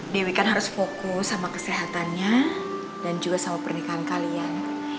dewi kan harus fokus sama kesehatannya dan juga sama pernikahan kalian